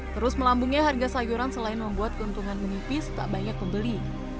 terus melambungnya harga sayuran selain membuat keuntungan menipis tak banyak pembeli